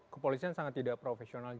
kepolisian sangat tidak profesional